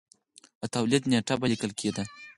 د تولید نېټه به لیکل کېده